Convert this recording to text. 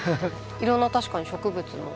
いろんな確かに植物の。